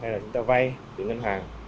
hay là chúng ta vai từ ngân hàng